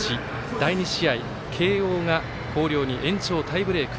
第２試合、慶応が広陵に延長タイブレーク。